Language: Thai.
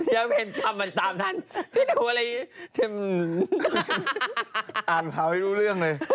ยังไม่เห็นคำมันตามทันพี่ดูอะไรอ่านข่าวให้รู้เรื่องเลย